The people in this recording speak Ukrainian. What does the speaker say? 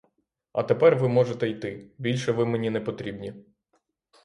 А тепер ви можете йти, більше ви мені непотрібні.